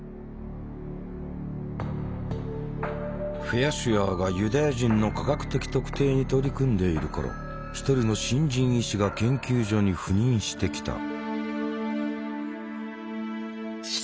フェアシュアーがユダヤ人の科学的特定に取り組んでいる頃一人の新人医師が研究所に赴任してきた。